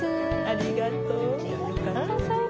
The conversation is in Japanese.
ありがとう。